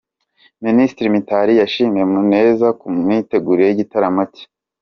Minisitiri Mitali yashimiye Muneza ku mitegurire y’igitaramo cye